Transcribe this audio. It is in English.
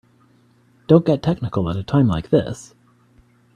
Don't get technical at a time like this.